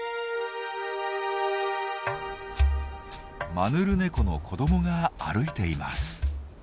マヌルネコの子どもが歩いています。